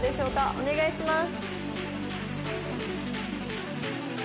お願いします。